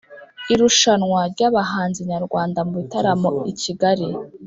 Irushanwa rya abahanzi nyarwanda mubitaramo ikigali